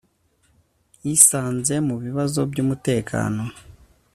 yisanze mu bibazo byumutekano